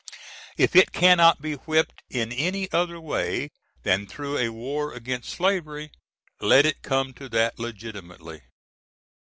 If it cannot be whipped in any other way than through a war against slavery, let it come to that legitimately.